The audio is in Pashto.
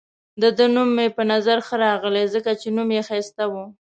د ده نوم مې په نظر ښه راغلی، ځکه چې نوم يې ښایسته وو.